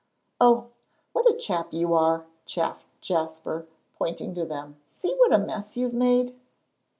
"Oh, what a chap you are!" chaffed Jasper, pointing to them. "See what a mess you've made!"